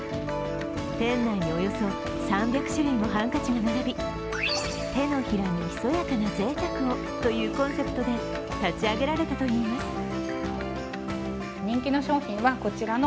店内におよそ３００種類もハンカチが並び手のひらにひそやかなぜいたくをというコンセプトで立ち上げられたといいます。